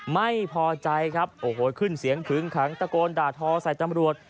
ไม่พอใจครับโอ้โหขึ้นเสียงขึ้งขังตะโกนด่าทอใส่ตำรวจ